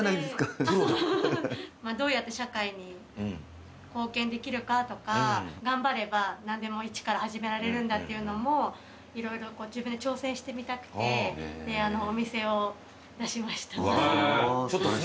どうやって社会に貢献できるかとか頑張れば何でも一から始められるんだっていうのも色々自分で挑戦してみたくてお店を出しました。